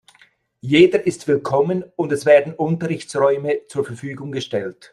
Jeder ist Willkommen und es werden Unterrichtsräume zur Verfügung gestellt.